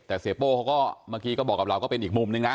แต่เสียโป้เขาก็เมื่อกี้ก็บอกกับเราก็เป็นอีกมุมนึงนะ